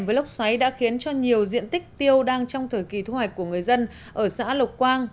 với lốc xoáy đã khiến cho nhiều diện tích tiêu đang trong thời kỳ thu hoạch của người dân ở xã lộc quang